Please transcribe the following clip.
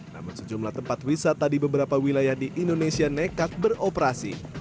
namun sejumlah tempat wisata di beberapa wilayah di indonesia nekat beroperasi